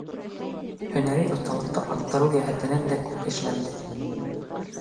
Һөнәри оҫталыҡты арттырыу йәһәтенән дә күп эшләнде.